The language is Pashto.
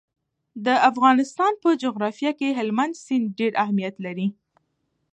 د افغانستان په جغرافیه کې هلمند سیند ډېر اهمیت لري.